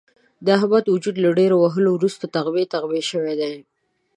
د احمد وجود له ډېرو وهلو ورسته تغمې تغمې شوی دی.